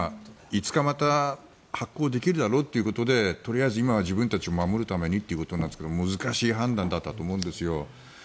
いつかまた発行できるだろうということでとりあえず今は自分たちを守るためにということなんですが難しい判断だったと思うんですよ。